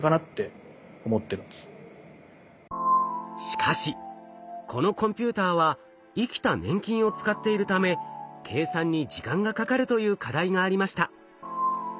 しかしこのコンピューターは生きた粘菌を使っているため計算に時間がかかるという課題がありました。